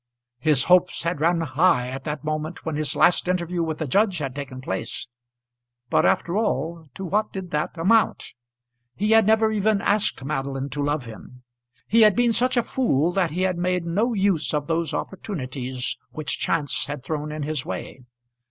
His hopes had ran high at that moment when his last interview with the judge had taken place; but after all to what did that amount? He had never even asked Madeline to love him. He had been such a fool that he had made no use of those opportunities which chance had thrown in his way.